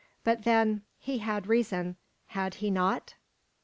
But then, he had reason, had he not?